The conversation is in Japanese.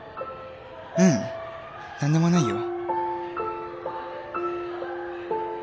ううん。何でもないよ。